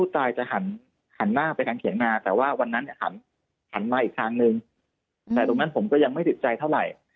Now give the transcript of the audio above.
แต่ตรงนั้นผมก็ยังไม่ติดใจเท่าไหร่